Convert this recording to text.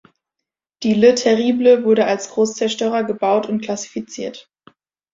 Die "Le Terrible" wurde als Großzerstörer gebaut und klassifiziert.